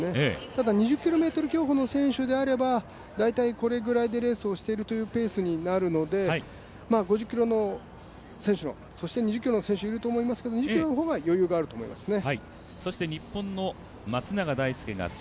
ただ、２０ｋｍ競歩の選手であれば大体これぐらいでレースをしているというペースになるので５０ｋｍの選手の、そして２０ｋｍの選手もいると思いますが２０ｋｍの方が余裕があると思いますね。